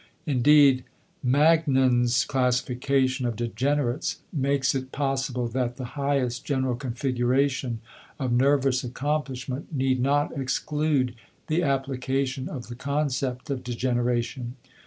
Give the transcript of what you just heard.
Indeed, Magnan's classification of degenerates makes it possible that the highest general configuration of nervous accomplishment need not exclude the application of the concept of degeneration.